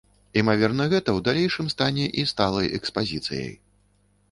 Імаверна гэта ў далейшым стане і сталай экспазіцыяй.